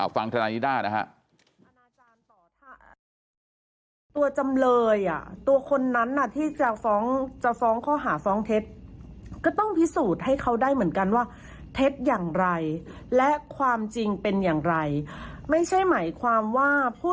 ฟังธนายนิด้านะฮะ